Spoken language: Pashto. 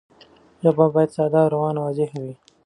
ژبه باید ساده، روانه او واضح وي.